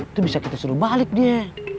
itu bisa kita suruh balik dia